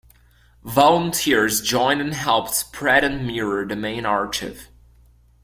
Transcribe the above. Volunteers joined and helped spread and mirror the main archive.